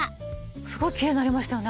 すごいきれいになりましたね。